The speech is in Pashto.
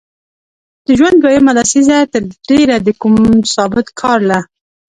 د ژوند دویمه لسیزه تر ډېره د کوم ثابت کار له